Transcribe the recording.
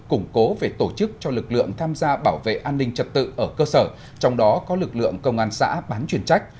củng cố về tổ chức cho lực lượng tham gia bảo vệ an ninh trật tự ở cơ sở trong đó có lực lượng công an xã bán chuyên trách